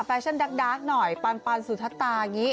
แฟชั่นดักหน่อยปันสุทธาตา